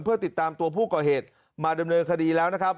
เพื่อติดตามตัวผู้ก่อเหตุมาดำเนินคดีแล้วนะครับ